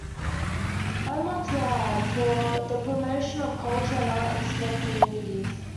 Omanut Laam - for the promotion of culture and art in small communities.